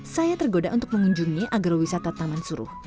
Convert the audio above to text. saya tergoda untuk mengunjungi agrowisata taman suruh